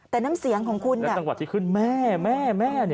แต่น้ำเสียงของคุณตั้งกว่าที่ขึ้นแม่